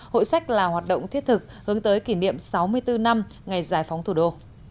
hội sách là hoạt động thiết thực hướng tới kỷ niệm sáu mươi bốn năm ngày giải phóng thủ đô